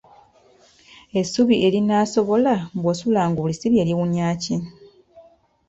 Essubi erinaasobola bw'osula ng'olisibye liwunya ki?